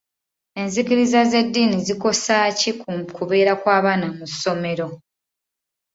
Ezikkiriza z'edddiini zikosa ki ku kubeera kw'abaana mu ssomero?